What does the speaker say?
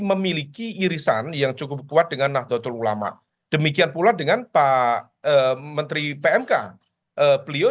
memiliki irisan yang cukup kuat dengan nahdlatul ulama demikian pula dengan pak menteri pmk beliau